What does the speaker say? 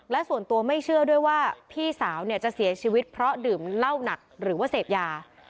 และส่วนตัวไม่เชื่อด้วยว่าพี่สาวเนี่ยจะเสียชีวิตเพราะดื่มเหล้าหนักหรือว่าเสพยา